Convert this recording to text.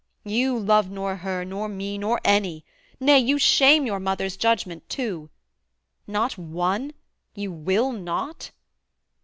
You love nor her, nor me, nor any; nay, You shame your mother's judgment too. Not one? You will not?